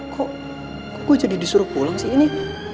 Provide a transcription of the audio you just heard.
kok gue jadi disuruh pulang sih ini